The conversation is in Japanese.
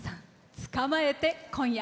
「捕まえて、今夜。」